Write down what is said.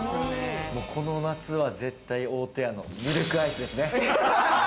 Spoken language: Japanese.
この夏は絶対、大戸屋のミルクアイスですね。